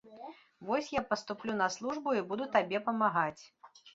Вось я паступлю на службу і буду табе памагаць.